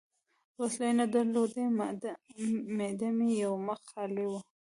وسلې نه درلودې، معده مې یو مخ خالي وه.